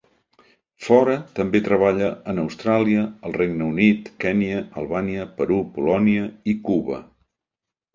Fora, també treballa en Austràlia, el Regne Unit, Kenya, Albània, Perú, Polònia i Cuba.